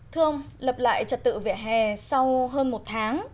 thưa ông lập lại trật tự về hè sau hơn một tháng